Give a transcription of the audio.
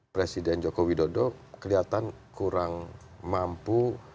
presiden joko widodo kelihatan kurang mampu